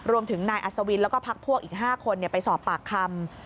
รวมถึงนายอัศวินแล้วก็พักพวกอีก๕คนไปสอบปากคำ